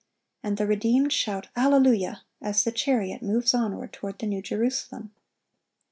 And the redeemed shout "Alleluia!" as the chariot moves onward toward the New Jerusalem.